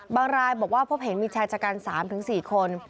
บางรายบอกว่าพบเห็นมีชายจัดการ๓๔คน